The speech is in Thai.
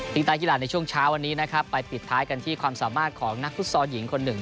ใต้กีฬาในช่วงเช้าวันนี้นะครับไปปิดท้ายกันที่ความสามารถของนักฟุตซอลหญิงคนหนึ่ง